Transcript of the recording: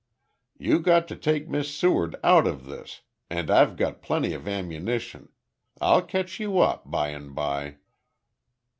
"You've got to take Miss Seward out of this, and I've got plenty of ammunition. I'll catch you up, by and by."